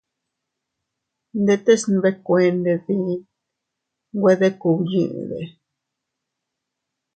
¡Ndetes nbekuended dii nwe deb kugbyiʼide!